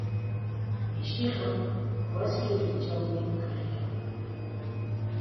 Mishiqa wasi rurinchawmi kaykan.